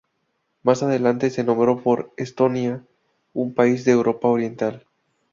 Más adelante se nombró por Estonia, un país de Europa oriental.